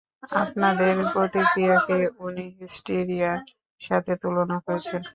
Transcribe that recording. আপনাদের প্রতিক্রিয়াকে উনি হিস্টিরিয়ার সাথে তুলনা করেছেন!